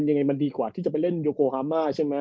มันยังไงมันดีขวาที่จะไปเล่นโยโกฮาม่าใช่มั้ย